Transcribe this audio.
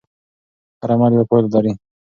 هر عمل یوه پایله لري.